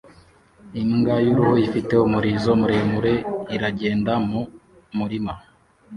Imbwa y'uruhu ifite umurizo muremure iragenda mu murima